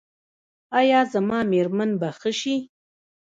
ایا زما میرمن به ښه شي؟